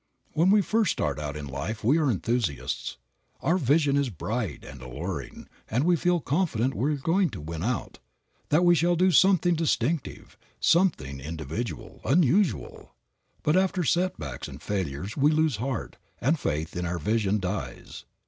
When we first start out in life we are enthusiasts. Our vision is bright and alluring, and we feel confident we are going to win out, that we shall do something distinctive, something individual, unusual. But after a few setbacks and failures we lose heart, and faith in our vision dies.